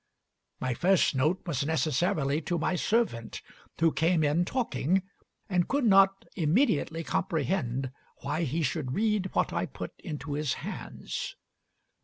My first note was necessarily to my servant, who came in talking, and could not immediately comprehend why he should read what I put into his hands....